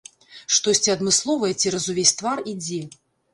Штосьці адмысловае цераз увесь твар ідзе.